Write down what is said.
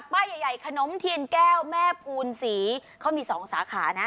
ป้ายใหญ่ใหญ่ขนมเทียนแก้วแม่ภูนศรีเขามีสองสาขานะ